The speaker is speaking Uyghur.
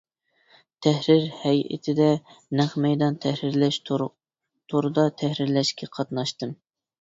تەھرىر ھەيئىتىدە نەق مەيدان تەھرىرلەش، توردا تەھرىرلەشكە قاتناشتىم.